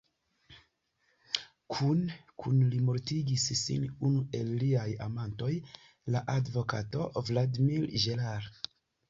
Kune kun li mortigis sin unu el liaj amantoj, la advokato Vladimir Gerard.